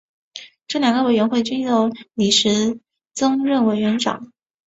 这两个委员会均由李石曾任委员长。